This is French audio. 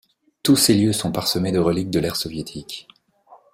Tous ces lieux sont parsemés de reliques de l'ère soviétique.